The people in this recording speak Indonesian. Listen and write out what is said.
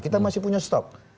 kita masih punya stok